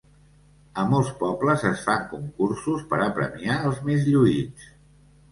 A molts pobles es fan concursos per a premiar els més lluïts.